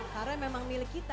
karena memang milik kita